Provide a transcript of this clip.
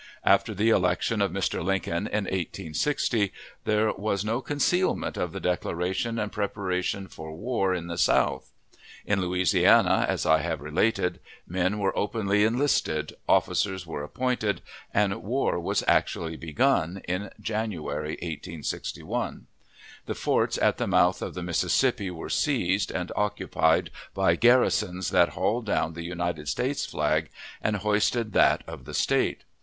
After the election of Mr. Lincoln in 1860, there was no concealment of the declaration and preparation for war in the South. In Louisiana, as I have related, men were openly enlisted, officers were appointed, and war was actually begun, in January, 1861. The forts at the mouth of the Mississippi were seized, and occupied by garrisons that hauled down the United States flag and hoisted that of the State.